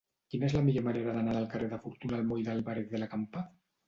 Quina és la millor manera d'anar del carrer de Fortuna al moll d'Álvarez de la Campa?